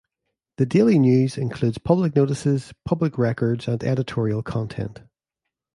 "The Daily News" includes public notices, public records and editorial content.